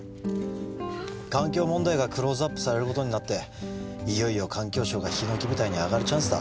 環境問題がクローズアップされることになっていよいよ環境省がひのき舞台に上がるチャンスだ